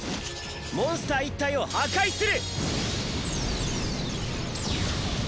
モンスター１体を破壊する！